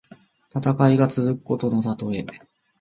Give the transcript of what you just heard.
戦いが続くことのたとえ。